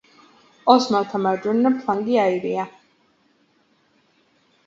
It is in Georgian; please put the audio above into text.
ოსმალთა მარჯვენა ფლანგი აირია.